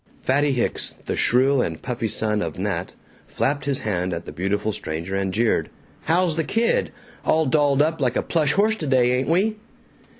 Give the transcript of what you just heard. Fatty Hicks, the shrill and puffy son of Nat, flapped his hand at the beautiful stranger and jeered, "How's the kid? All dolled up like a plush horse today, ain't we!"